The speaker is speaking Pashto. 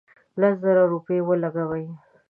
لس زره روپۍ ولګولې.